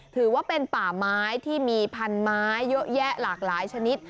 ถือว่าเป็นป่าไม้ที่มีพันไม้เยอะแยะหลากหลายชนิด